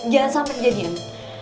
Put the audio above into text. jangan sampe kejadian